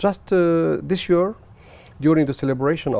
chúng tôi đã xây dựng một bức tượng